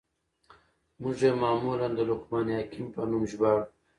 موږ ئې معمولاً د لقمان حکيم په نوم ژباړو.